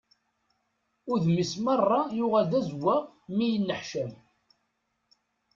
Udem-is merra yuɣal d azewwaɣ mi yenneḥcam.